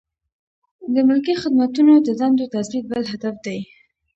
د ملکي خدمتونو د دندو تثبیت بل هدف دی.